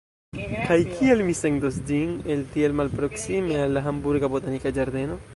Kaj kiel mi sendos ĝin, el tiel malproksime, al la Hamburga Botanika Ĝardeno?